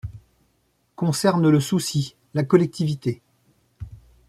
concerne le souci, la collectivité